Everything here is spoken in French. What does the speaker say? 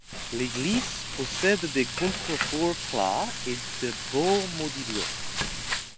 L'église possède des contreforts plats et de beaux modillons.